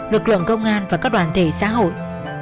lực lượng công an và các đoàn thể xã hội